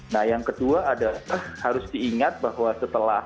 nah yang kedua adalah harus diingat bahwa setelah